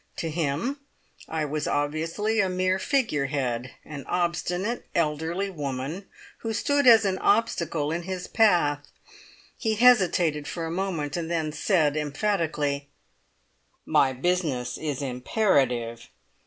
To him I was obviously a mere figure head, an obstinate, elderly woman who stood as an obstacle in his path. He hesitated for a moment, and then said emphatically: "My business is imperative.